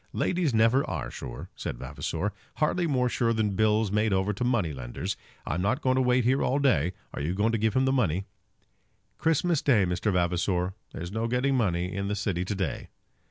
"Ladies never are sure," said Vavasor; "hardly more sure than bills made over to money lenders. I'm not going to wait here all day. Are you going to give him the money?" "Christmas day, Mr. Vavasor! There's no getting money in the city to day."